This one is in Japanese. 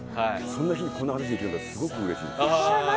そんな日にこんな話ができるのがすごいうれしい。